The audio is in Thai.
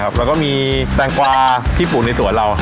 แล้วก็มีแตงกวาที่ปลูกในสวนเรา